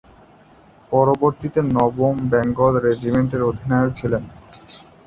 পরবর্তীতে নবম বেঙ্গল রেজিমেন্টের অধিনায়ক ছিলেন।